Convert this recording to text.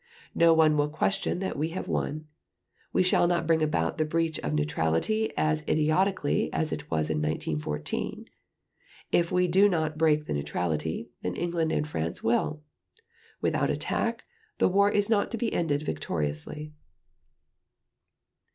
No one will question that when we have won. We shall not bring about the breach of neutrality as idiotically as it was in 1914. If we do not break the neutrality, then England and France will. Without attack, the war is not to be ended victoriously."